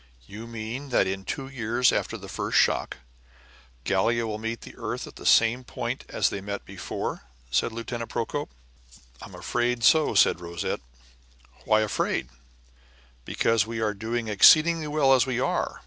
"You mean that in two years after the first shock, Gallia will meet the earth at the same point as they met before?" said Lieutenant Procope. "I am afraid so," said Rosette. "Why afraid?" "Because we are doing exceedingly well as we are."